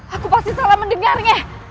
aku pasti salah mendengarnya